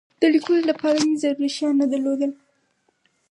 د لیکلو لپاره مې ضروري شیان درلودل.